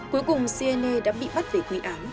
cuối cùng siene đã bị bắt về quy án